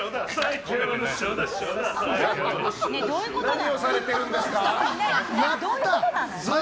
何をされてるんですか？